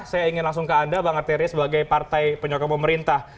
saya ingin langsung ke anda bang arteria sebagai partai penyokong pemerintah